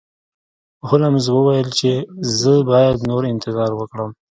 هولمز وویل چې زه باید نور انتظار وکړم.